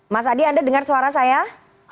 mas adi anda dengar suara saya